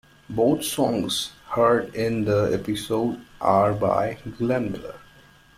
Both songs heard in the episode are by Glenn Miller.